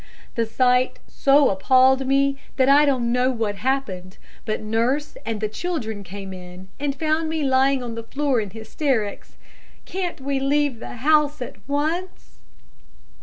The sight so appalled me that I don't know what happened, but nurse and the children came in and found me lying on the floor in hysterics. Can't we leave the house at once?'